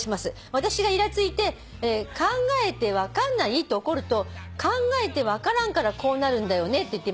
私がイラついて考えて分かんない？って怒ると『考えて分からんからこうなるんだよね』って言っていました」